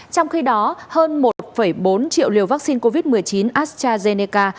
trong khi đó hơn một bốn triệu liều vaccine covid một mươi chín astrazeneca